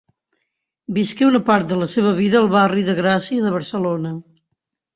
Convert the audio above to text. Visqué una part de la seva vida al barri de Gràcia de Barcelona.